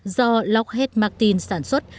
do lockheed martin sản xuất